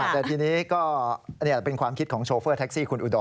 แต่ทีนี้ก็เป็นความคิดของโชเฟอร์แท็กซี่คุณอุดร